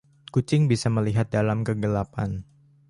Kucing bisa melihat dalam kegelapan.